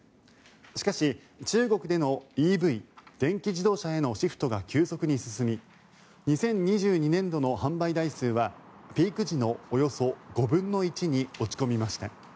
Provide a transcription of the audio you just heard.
しかし、中国でのＥＶ・電気自動車へのシフトが急速に進み２０２２年度の販売台数はピーク時のおよそ５分の１に落ち込みました。